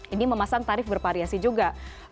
ini memasang tarif bervariasi juga